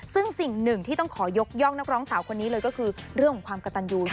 ซึ่งสิ่งหนึ่งที่ต้องขอยกย่องนักร้องสาวคนนี้เลยก็คือเรื่องของความกระตันยู